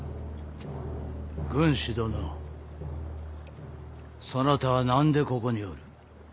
軍師殿そなたは何でここにおる？